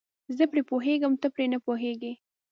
زه پرې پوهېږم ته پرې نه پوهیږې.